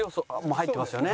入ってますね。